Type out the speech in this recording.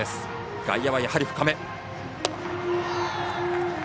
外野はやはり深め。